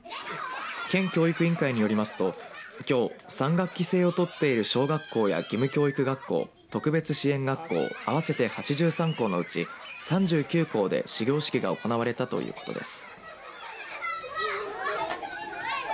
県教育委員会によりますときょう３学期制を取っている小学校や義務教育学校特別支援学校合わせて８３校のうち３９校で始業式が行われたということです。